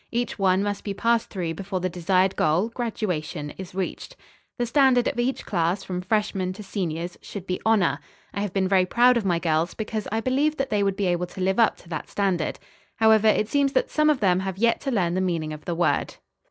Each one must be passed through before the desired goal graduation is reached. "The standard of each class from freshmen to seniors, should be honor. I have been very proud of my girls because I believed that they would be able to live up to that standard. However it seems that some of them have yet to learn the meaning of the word."